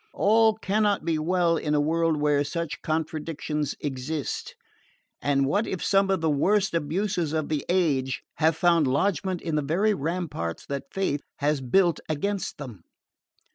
All cannot be well in a world where such contradictions exist, and what if some of the worst abuses of the age have found lodgment in the very ramparts that faith has built against them?"